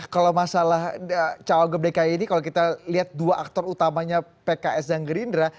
kalau masalah cawagup dki ini kalau kita lihat dua aktor utamanya pks dan gerindra